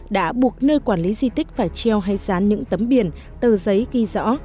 đã buộc nơi quản lý di tích phải treo hay dán những tấm biển tờ giấy ghi rõ